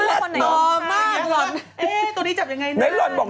แล้วมันก็จะมีเคลื่อนว่าง